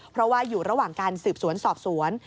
เพราะว่าอยู่ระหว่างการสืบสวนสอบสวน